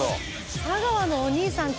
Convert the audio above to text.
「佐川のお兄さん